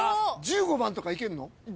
１５番とかいけんの？